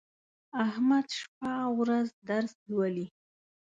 احمد شپه او ورځ درس لولي.